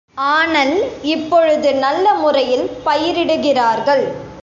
ஆனல் இப்பொழுது நல்ல முறையில் பயிரிடுகிறார்கள்.